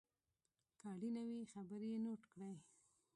که اړینه وي خبرې یې نوټ کړئ.